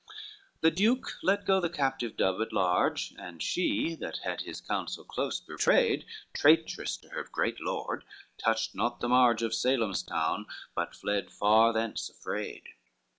LIII The duke let go the captive dove at large, And she that had his counsel close betrayed, Traitress to her great Lord, touched not the marge Of Salem's town, but fled far thence afraid.